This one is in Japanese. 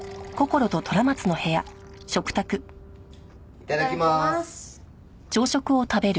いただきます。